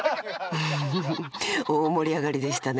フフフ大盛り上がりでしたね